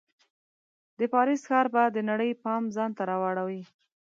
د پاریس ښار به د نړۍ پام ځان ته راواړوي.